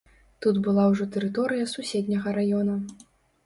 Тут была ўжо тэрыторыя суседняга раёна.